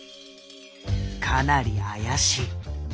かなり怪しい。